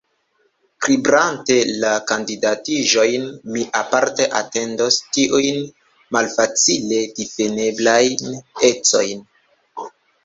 Kribrante la kandidatiĝojn, mi aparte atentos tiujn malfacile difineblajn ecojn.